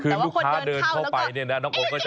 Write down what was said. คือลูกค้าเดินเข้าไปเนี่ยนะน้องโอมก็จะ